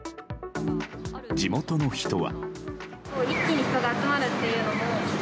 地元の人は。